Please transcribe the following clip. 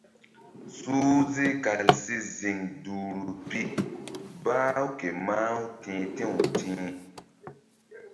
Suhze kal si ziŋ duhri pi bah-u ke mah-u ti̧h ti̧w ti̧h.